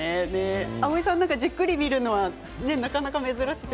蒼井さん、じっくり見るのはなかなか珍しいと。